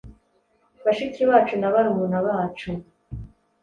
Bashiki bacu na barumuna bacu,